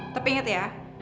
tapi inget ya